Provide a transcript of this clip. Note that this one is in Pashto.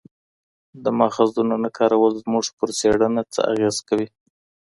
د ماخذونو نه کارول زموږ پر څېړنه څه اغېز کوي؟